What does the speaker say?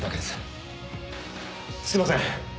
すみません